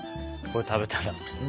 これ食べたら？